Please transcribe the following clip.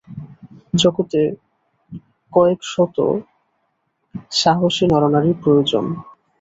জগতে কয়েক শত সাহসী নরনারী প্রয়োজন।